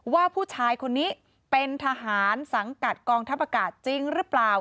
ว่าผู้ชายคนนี้เป็นทหารสังกัดกองทัพอากาศจริงหรือเปล่า